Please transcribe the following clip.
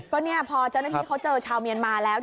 ก็เนี่ยพอเจ้าหน้าที่เขาเจอชาวเมียนมาแล้ว